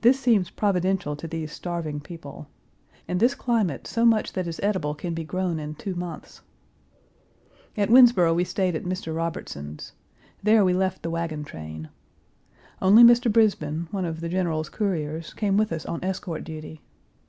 This seems providential to these starving people. In this climate so much that is edible can be grown in two months. At Winnsboro we stayed at Mr. Robertson's. There we left the wagon train. Only Mr. Brisbane, one of the general's couriers, came with us on escort duty.